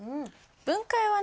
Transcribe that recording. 分解はね